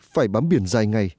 phải bám biển dài ngày